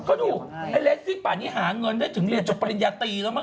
ก็ดูไอ้เรสซิ่งป่านนี้หาเงินได้ถึงเรียนจบปริญญาตรีแล้วมั